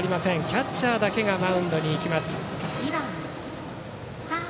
キャッチャーだけがマウンドに行きました。